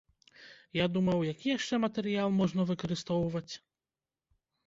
Я думаў, які яшчэ матэрыял можна выкарыстоўваць.